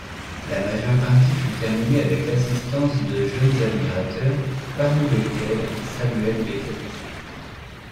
La majeure partie fut terminée avec l'assistance de jeunes admirateurs, parmi lesquels Samuel Beckett.